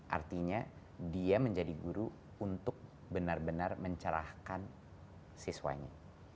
artinya dia menjadi guru untuk benar benar mencerahkan siswanya